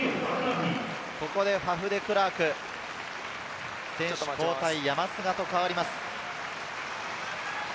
ここでファフ・デクラーク、選手交代、山菅と代わります。